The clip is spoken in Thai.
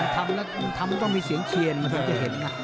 ทำแล้วทำต้องมีเสียงเชียนบางทีจะเห็นนะ